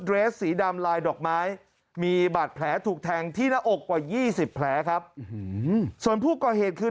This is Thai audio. เรสสีดำลายดอกไม้มีบาดแผลถูกแทงที่หน้าอกกว่า๒๐แผลครับส่วนผู้ก่อเหตุคือ